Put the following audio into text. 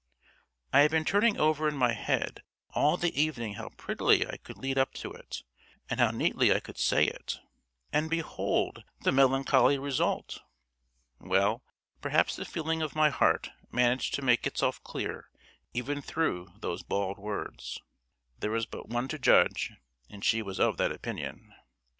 I had been turning over in my head all the evening how prettily I could lead up to it, and how neatly I could say it and behold the melancholy result! Well, perhaps the feeling of my heart managed to make itself clear even through those bald words. There was but one to judge, and she was of that opinion.